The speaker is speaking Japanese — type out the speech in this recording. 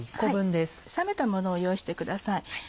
冷めたものを用意してください